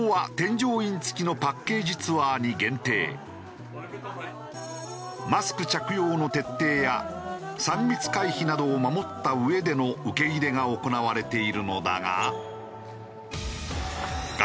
旅行はマスク着用の徹底や３密回避などを守ったうえでの受け入れが行われているのだが。